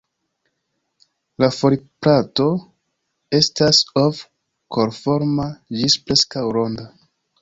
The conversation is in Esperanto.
La foliplato estas ov-korforma ĝis preskaŭ ronda.